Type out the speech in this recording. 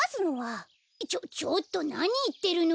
ちょちょっとなにいってるの！